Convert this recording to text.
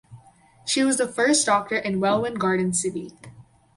She was the first doctor in Welwyn Garden City.